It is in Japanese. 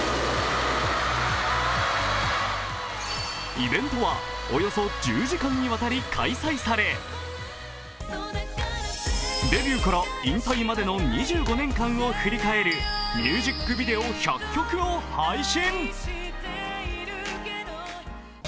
イベントはおよそ１０時間にわたり開催されデビューから引退までの２５年間を振り返るミュージックビデオ１００曲を配信。